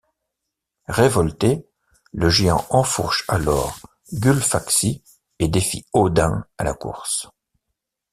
Révolté, le géant enfourche alors Gullfaxi et défie Odin à la course.